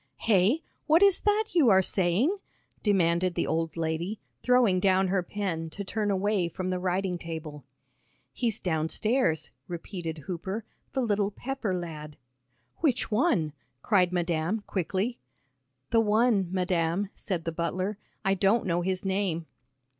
"Hey? What is that you are saying?" demanded the old lady, throwing down her pen to turn away from the writing table. "He's downstairs," repeated Hooper, "the little Pepper lad." "Which one?" cried madam, quickly. "The one, madam," said the butler; "I don't know his name."